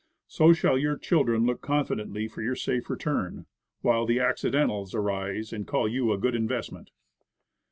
So shall your children look confidently for your safe return, while the "Accidentals" arise and call you a good investment.